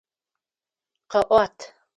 Къэӏуат!